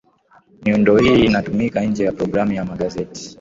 miundo hii inatumika nje ya programu ya magazeti